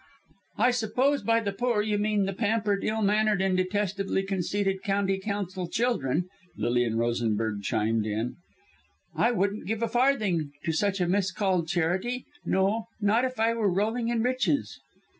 "I suppose, by the poor, you mean the pampered, ill mannered and detestably conceited County Council children," Lilian Rosenberg chimed in. "I wouldn't give a farthing to such a miscalled charity, no not if I were rolling in riches."